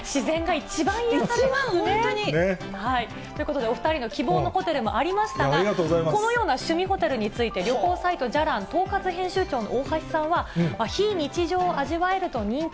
一番、本当に。ということでお２人の希望のホテルもありましたが、このような趣味ホテルについて、旅行サイト、じゃらん統括編集長の大橋さんは、非日常を味わえると人気。